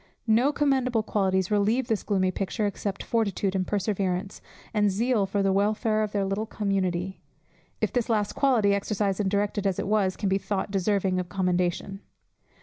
No commendable qualities relieve this gloomy picture, except fortitude, and perseverance, and zeal for the welfare of their little community; if this last quality, exercised and directed as it was, can be thought deserving of commendation.